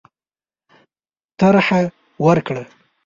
طرح ورکړه.